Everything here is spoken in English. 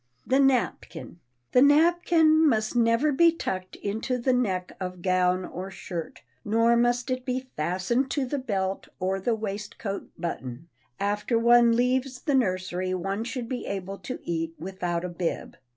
[Sidenote: THE NAPKIN] The napkin must never be tucked into the neck of gown or shirt, nor must it be fastened to the belt or the waistcoat button. After one leaves the nursery one should be able to eat without a bib.